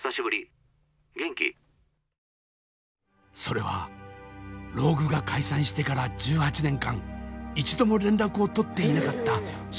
それはＲＯＧＵＥが解散してから１８年間一度も連絡をとっていなかった親友の香川。